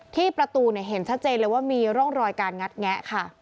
ที่ประตูเห็นชัดเจนเลยว่ามีร่องรอยการงัดแงะค่ะ